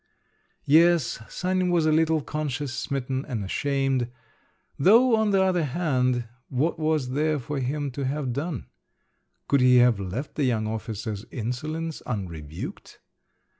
Yes, Sanin was a little conscience smitten and ashamed … though, on the other hand, what was there for him to have done? Could he have left the young officer's insolence unrebuked?